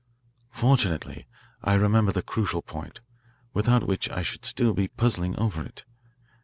"Fortunately I remember the crucial point, without which I should still be puzzling over it.